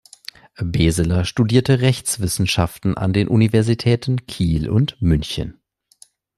Beseler studierte Rechtswissenschaften an den Universitäten Kiel und München.